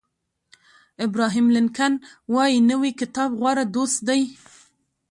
ابراهیم لینکلن وایي نوی کتاب غوره دوست دی.